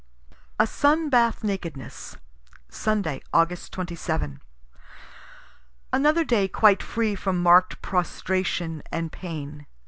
A SUN BATH NAKEDNESS Sunday, Aug. 27. Another day quite free from mark'd prostration and pain.